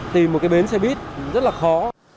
tìm một cái bến xe buýt rất là khó